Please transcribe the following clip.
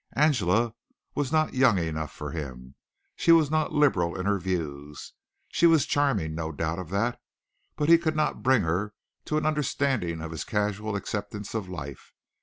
Angela was not young enough for him. She was not liberal in her views. She was charming, no doubt of that, but he could not bring her to an understanding of his casual acceptance of life.